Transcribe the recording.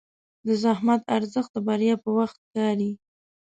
د زحمت ارزښت د بریا په وخت ښکاري.